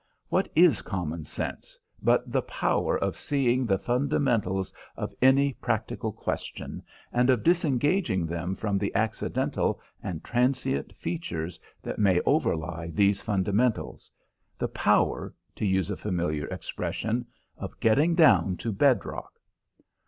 What is common sense but the power of seeing the fundamentals of any practical question, and of disengaging them from the accidental and transient features that may overlie these fundamentals the power, to use a familiar expression, of getting down to bed rock?